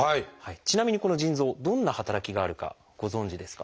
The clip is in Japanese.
ちなみにこの腎臓どんな働きがあるかご存じですか？